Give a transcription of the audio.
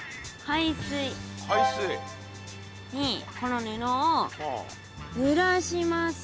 海水？にこのぬのをぬらします。